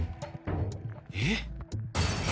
えっ？